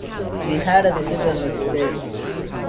We had a visitor next day.